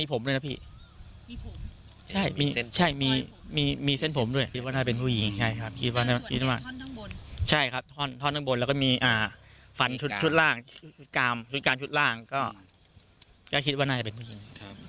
ฟันชุดล่างกรามชุดล่างก็คิดว่านายเป็นผู้หญิง